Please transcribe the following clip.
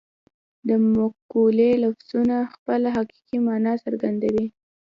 د مقولې لفظونه خپله حقیقي مانا څرګندوي